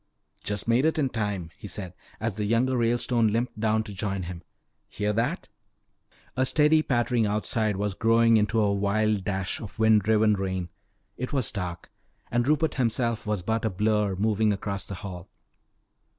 "Just made it in time," he said as the younger Ralestone limped down to join him. "Hear that?" A steady pattering outside was growing into a wild dash of wind driven rain. It was dark and Rupert himself was but a blur moving across the hall.